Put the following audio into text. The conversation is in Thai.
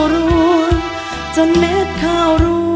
ร้องหน้า